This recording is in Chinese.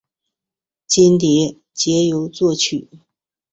全碟皆由作曲。